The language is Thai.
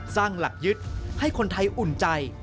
สร้างหลักยึดให้คนไทยอุ่นใจ